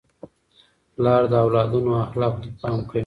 پلار د اولادونو اخلاقو ته پام کوي.